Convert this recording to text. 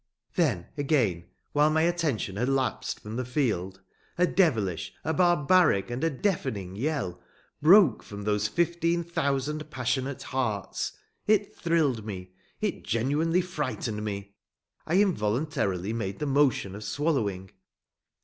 Then, again, while my attention had lapsed from the field, a devilish, a barbaric, and a deafening yell broke from those fifteen thousand passionate hearts. It thrilled me; it genuinely frightened me. I involuntarily made the motion of swallowing.